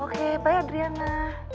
oke baik adriana